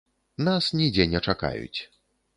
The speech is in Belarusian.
Нас нідзе не чакаюць.